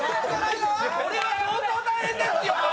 これは相当大変ですよ！